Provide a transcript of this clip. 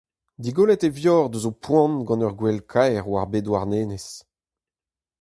Digollet e vioc'h eus ho poan gant ur gwel kaer war bae Douarnenez.